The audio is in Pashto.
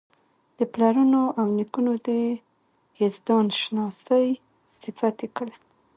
د پلرونو او نیکونو د یزدان شناسۍ صفت یې کړی.